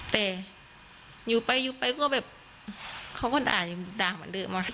แต่อยู่ไปอยู่ไปก็แบบเขาก็ด่ายังด่าเหมือนเดิมอะ